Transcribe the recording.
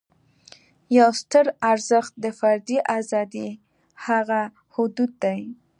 یو ستر ارزښت د فردي آزادۍ هغه حدود دي.